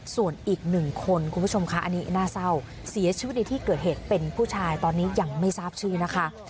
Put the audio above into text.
ส่วนอีกหนึ่งคนคุณผู้ชมค่ะอันนี้น่าเศร้าเสียชีวิตในที่เกิดเหตุเป็นผู้ชายตอนนี้ยังไม่ทราบชื่อนะคะ